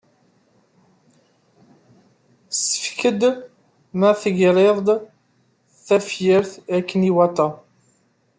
Ssefqed ma teɣriḍ-d tafyirt akken iwata.